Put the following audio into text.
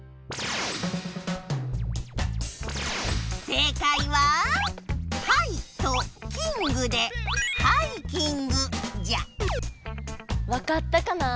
正解は「はい」と「キング」で「ハイキング」じゃわかったかな？